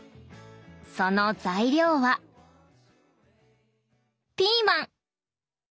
その材料はピーマン！